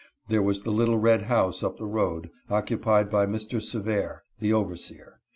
There was the lit tle red house up the road, occupied by Mr. Seveir, the overseer.